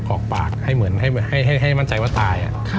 ออกปากให้เหมือนให้มั่นใจว่าตาย